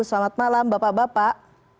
selamat malam bapak bapak